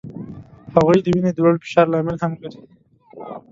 هغوی د وینې د لوړ فشار لامل هم ګرځي.